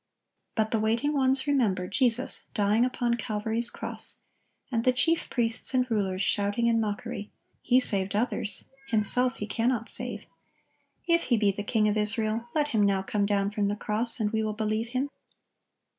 But the waiting ones remember Jesus dying upon Calvary's cross, and the chief priests and rulers shouting in mockery, "He saved others; Himself He cannot save. If He be the King of Israel, let Him now come down from the cross, and we will believe Him."